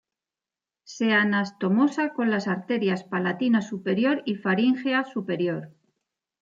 Se anastomosa con las arterias palatina superior y faríngea superior.